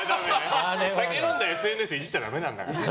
酒飲んでＳＮＳいじっちゃダメなんだから。